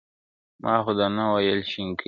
ما خو دا نه ویل شینکی آسمانه!.